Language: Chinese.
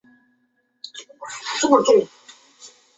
以发现者意大利解剖学家马尔比基命名。